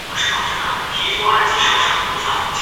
听说隔壁庄那个人赚了不少啊